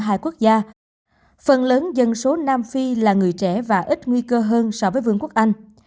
hai quốc gia phần lớn dân số nam phi là người trẻ và ít nguy cơ hơn so với vương quốc anh